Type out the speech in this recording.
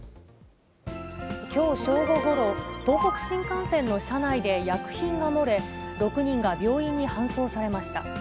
きょう正午ごろ、東北新幹線の車内で薬品が漏れ、６人が病院に搬送されました。